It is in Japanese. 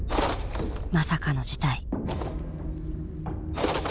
まさかの事態。